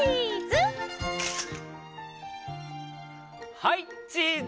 はいチーズ！